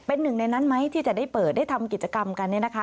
เป็นหนึ่งในนั้นไหมที่จะได้เปิดได้ทำกิจกรรมกันเนี่ยนะคะ